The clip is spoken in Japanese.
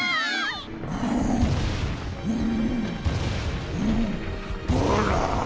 うん。